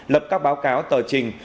lập các báo cáo tờ trình